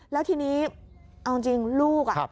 แล้วทีนี้เอาจริงลูก